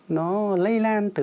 nó lây lan từ